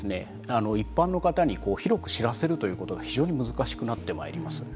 一般の方に広く知らせるということが非常に難しくなってまいります。